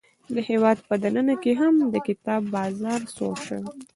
د هیواد په دننه کې هم د کتاب بازار سوړ شوی.